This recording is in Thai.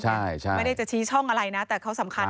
ใช่ไม่ได้จะชี้ช่องอะไรนะแต่เขาสำคัญ